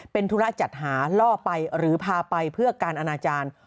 เป็นธุระจัดหาล่อไปหรือพาไปเพื่อการอนาจารย์